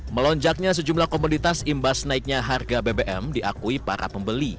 melonjaknya sejumlah komoditas imbas naiknya harga bbm diakui para pembeli